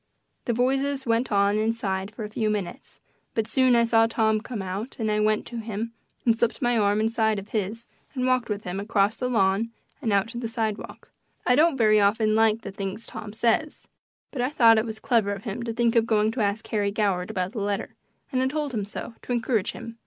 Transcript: The voices went on inside for a few minutes, but soon I saw Tom come out and I went to him and slipped my arm inside of his and walked with him across the lawn and out to the sidewalk. I don't very often like the things Tom says, but I thought it was clever of him to think of going to ask Harry Goward about the letter, and I told him so to encourage him.